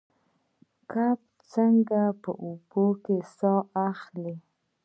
کبان څنګه په اوبو کې ساه اخلي؟